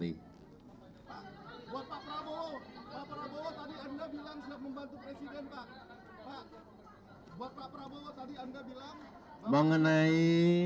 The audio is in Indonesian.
pak prabowo tadi anda bilang membantu presiden pak pak pak prabowo tadi anda bilang mengenai